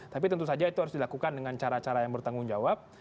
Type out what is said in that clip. tapi tentu saja itu harus dilakukan dengan cara cara yang bertanggung jawab